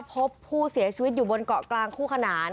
พบผู้เสียชีวิตอยู่บนเกาะกลางคู่ขนาน